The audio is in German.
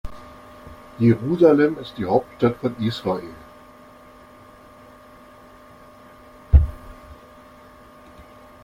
Jerusalem ist die Hauptstadt von Israel.